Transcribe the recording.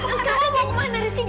kamu ngapain sih rizky